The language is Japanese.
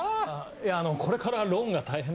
いやこれからローンが大変で。